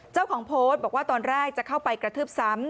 เจ้าของโพสต์บอกว่าตอนแรกจะเข้าไปกระทืบซ้ำ